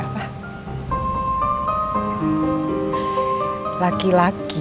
saya mau keluar juga